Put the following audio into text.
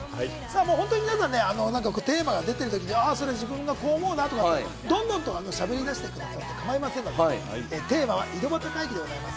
本当に皆さんね、テーマが出てる時にそれ、自分がこう思うなって事をどんどんしゃべり出していただいて構いませんので、テーマは井戸端会議でございます。